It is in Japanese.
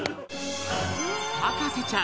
『博士ちゃん』